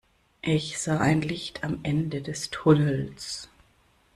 Ich sah ein Licht am Ende des Tunnels.